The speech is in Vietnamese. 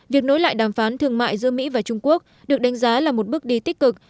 việc nối lại đàm phán thương mại giữa mỹ và trung quốc được đánh giá là một bước đi tích cực